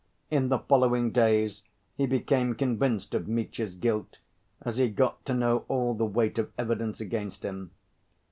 In the following days he became convinced of Mitya's guilt, as he got to know all the weight of evidence against him.